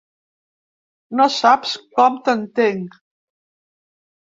No saps com t'entenc.